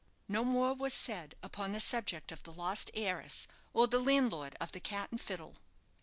No more was said upon the subject of the lost heiress, or the landlord of the "Cat and Fiddle."